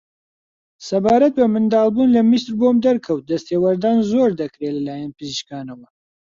سەبارەت بە منداڵبوون لە میسر بۆم دەرکەوت دەستێوەردان زۆر دەکرێ لە لایەن پزیشکانەوە